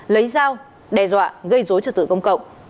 lấy dao đe dọa gây dối trật tự công cộng